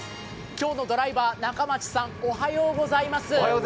今日のドライバー、中町さん、おはようございます。